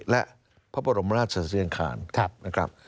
และพระบรมราชศาสตรีอังคารนะครับ